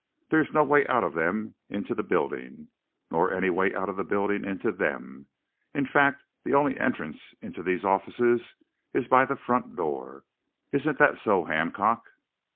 There's no way out of them into the building, nor any way out of the building into them. In fact, the only entrance into these offices is by the front door. Isn't that so, Hancock?"